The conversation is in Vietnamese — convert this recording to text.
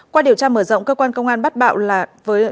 qua điều tra mở rộng cơ quan công an bắt bạo